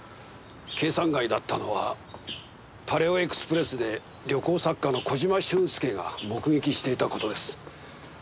計算外だったのはパレオエクスプレスで旅行作家の小島俊介が目撃していた事です。